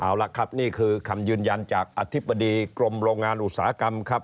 เอาล่ะครับนี่คือคำยืนยันจากอธิบดีกรมโรงงานอุตสาหกรรมครับ